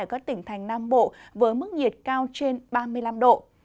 ở các tỉnh thành nam bộ với mức nhiệt cao trên ba mươi năm độ